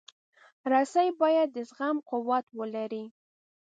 رسۍ باید د زغم قوت ولري.